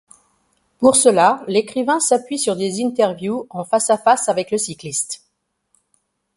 Pour cela, l'écrivain s'appuie sur des interviews en face-à-face avec le cycliste.